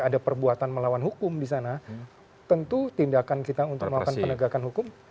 ada perbuatan melawan hukum di sana tentu tindakan kita untuk melakukan penegakan hukum